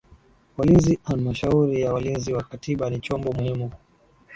walinzi Halmashauri ya Walinzi wa Katiba ni chombo muhimu